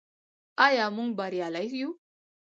آیا موږ بریالي یو؟